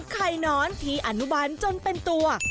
ไข่น้อนที่อนุบันจนเป็นตัว